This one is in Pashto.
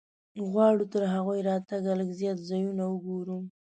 غواړو تر هغوی راتګه لږ زیات ځایونه وګورو.